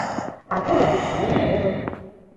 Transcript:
А тудо тушто лийын огыл.